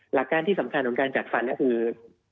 หลักการที่สำคัญของการจัดฟันก็คือ